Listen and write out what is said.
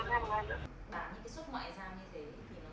các ông toàn đi ô tô đến tầng mô quân